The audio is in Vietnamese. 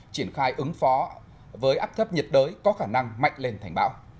triển khai ứng phó với áp thấp nhiệt đới có khả năng mạnh lên thành bão